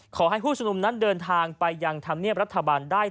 ขอให้ผู้ชุมนุมนั้นเดินทางไปยังธรรมเนียบรัฐบาลได้